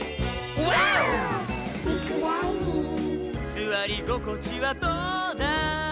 「すわりごこちはどうだい？」